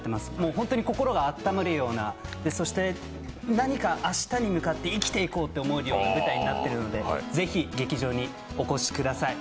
本当に心が温まるようなそして何か明日に向かって生きていこうと思える舞台になっているのでぜひ、劇場にお越しください。